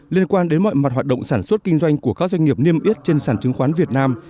liên quan đến mọi mặt hoạt động sản xuất kinh doanh của các doanh nghiệp niêm yết trên sản chứng khoán việt nam